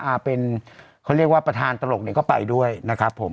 อ่าเป็นเขาเรียกว่าประธานตลกเนี่ยก็ไปด้วยนะครับผม